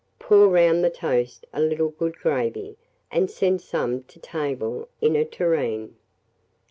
Pour round the toast a little good gravy, and send some to table in a tureen.